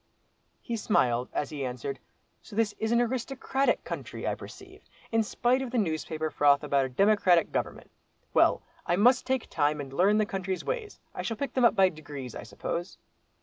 He smiled, as he answered, "So this is an aristocratic country, I perceive, in spite of the newspaper froth about a democratic government. Well, I must take time, and learn the country's ways. I shall pick them up by degrees, I suppose."